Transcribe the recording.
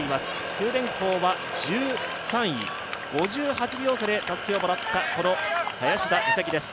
九電工は１３位、５８秒差でたすきをもらった林田美咲です。